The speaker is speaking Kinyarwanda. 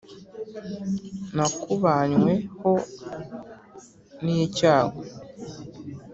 nakubanywe ho n'icyago